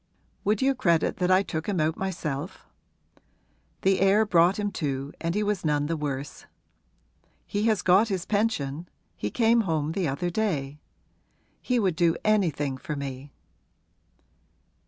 Would you credit that I took him out myself? The air brought him to and he was none the worse. He has got his pension he came home the other day; he would do anything for me.'